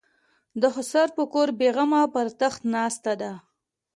د خسر په کور بېغمه پر تخت ناسته ده.